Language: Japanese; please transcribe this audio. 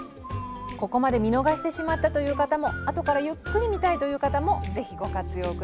ここまで見逃してしまったという方も後からゆっくり見たいという方も是非ご活用下さい。